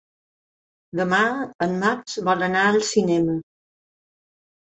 Demà en Max vol anar al cinema.